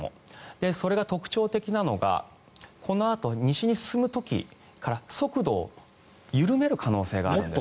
それが特徴的なのがこのあと西に進む時から速度を緩める可能性があります。